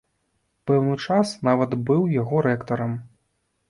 Пэўны час нават быў яго рэктарам.